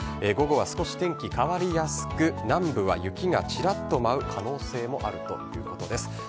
午後は少し天気変わりやすく、南部は雪がちらっと舞う可能性もあるということです。